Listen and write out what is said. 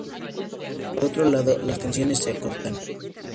Por otro lado, las canciones se acortan.